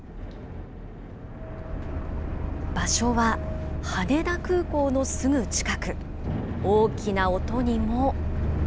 場所は、羽田空港のすぐ近く、大きな音にも。